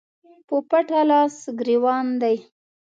په پټه لاس ګرېوان دي